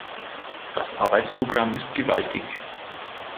Das Arbeitsprogramm ist gewaltig.